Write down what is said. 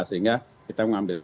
sehingga kita mengambil